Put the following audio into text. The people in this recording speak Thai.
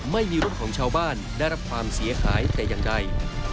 ไม่มีรถของชาวบ้านได้รับความเสียหายแต่อย่างใด